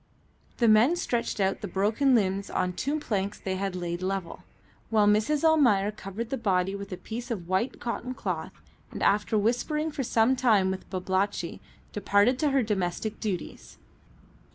The men stretched out the broken limbs on two planks they had laid level, while Mrs. Almayer covered the body with a piece of white cotton cloth, and after whispering for some time with Babalatchi departed to her domestic duties.